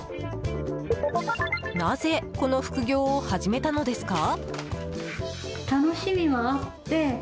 なぜこの副業を始めたのですか。